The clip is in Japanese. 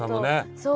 そう！